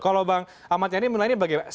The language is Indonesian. kalau bang ahmad yani menilainya bagaimana